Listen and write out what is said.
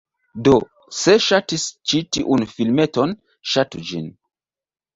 Do, se ŝatis ĉi tiun filmeton, ŝatu ĝin!